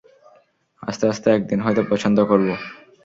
আস্তে আস্তে একদিন হয়তো পছন্দ করবো।